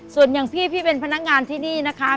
ส่วนอย่างพี่พี่เป็นพนักงานที่นี่นะคะ